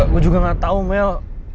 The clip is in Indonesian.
gue juga nggak tahu mel